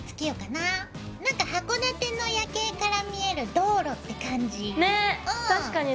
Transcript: なんか函館の夜景から見える道路って感じ。ね！